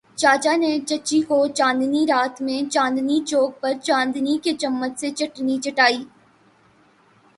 چچا نے چچی کو چاندنی رات میں چاندنی چوک پر چاندی کے چمچ سے چٹنی چٹائ۔